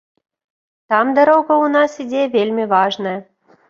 Там дарога ў нас ідзе вельмі важная.